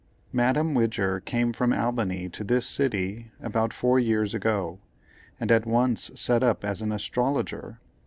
Madame Widger came from Albany to this city about four years ago, and at once set up as an "Astrologer."